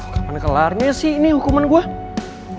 kapan kelar nya sih ini hukuman gue